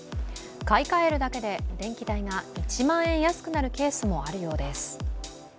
買いかえるだけで電気代が１万円安くなるケースもあるようです。